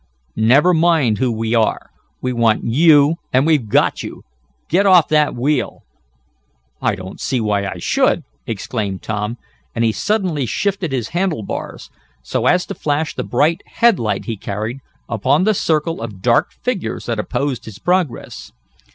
"Never mind who we are. We want you and we've got you! Get off that wheel!" "I don't see why I should!" exclaimed Tom, and he suddenly shifted his handle bars, so as to flash the bright headlight he carried, upon the circle of dark figures that opposed his progress.